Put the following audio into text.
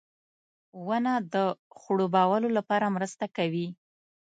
• ونه د خړوبولو لپاره مرسته کوي.